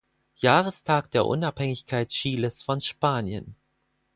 Jahrestag der Unabhängigkeit Chiles von Spanien.